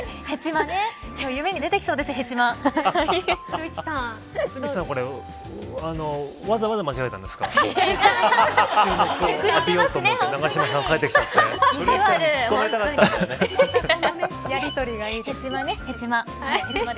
今日夢に出てきそうですヘチマ。